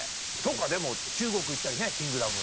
でも中国行ったりね『キングダム』。